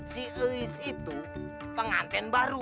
si ois itu pengantin baru